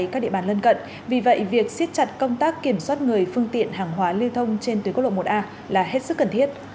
các địa bàn lân cận vì vậy việc siết chặt công tác kiểm soát người phương tiện hàng hóa lưu thông trên tuyến quốc lộ một a là hết sức cần thiết